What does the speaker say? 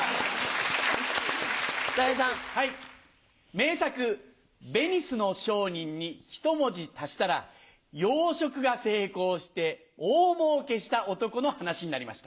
名作『ヴェニスの商人』にひと文字足したら養殖が成功して大もうけした男の話になりました。